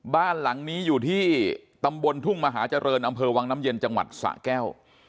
บ้านหลังนี้อยู่ที่ตำบลทุ่งมหาเจริญอำเภอวังน้ำเย็นจังหวัดสะแก้ว